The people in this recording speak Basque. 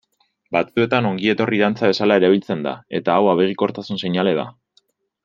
Batzuetan ongietorri-dantza bezala erabiltzen da eta hau abegikortasun seinale da.